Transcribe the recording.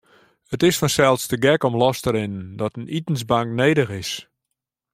It is fansels te gek om los te rinnen dat in itensbank nedich is.